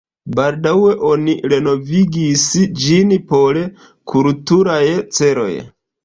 Baldaŭe oni renovigis ĝin por kulturaj celoj.